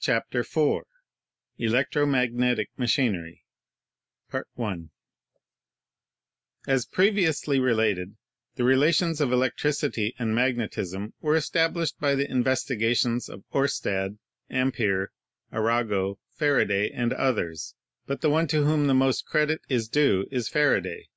CHAPTER IV ELECTRO MAGNETIC MACHINERY As previously related, the relations of electricity and magnetism were established by the investigations of Oer sted, Ampere, Arago, Faraday, and others ; but the one to whom the most credit is due is Faraday.